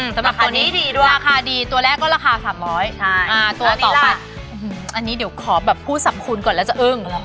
สำหรับตัวนี้ราคาดีตัวแรกก็ราคา๓๐๐อันนี้เดี๋ยวขอแบบผู้สำคูณก่อนแล้วจะอึ้ง